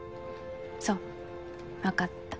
そうわかった。